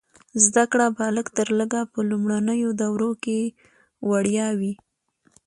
زده کړه به لږ تر لږه په لومړنیو دورو کې وړیا وي.